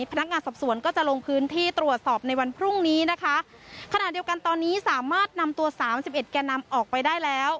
พนักงานสอบสวนก็จะลงพื้นที่ตรวจสอบในวันพรุ่งนี้นะคะขณะเดียวกันตอนนี้สามารถนำตัวสามสิบเอ็ดแก่นำออกไปได้แล้ว